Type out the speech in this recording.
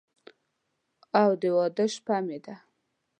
او د واده شپه مې ده